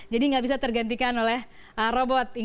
jadi tidak bisa tergantikan oleh robot